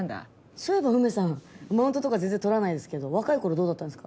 そういえばウメさんマウントとか全然取らないですけど若い頃どうだったんですか？